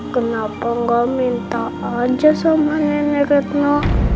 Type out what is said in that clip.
kenapa nggak minta aja sama nenek retno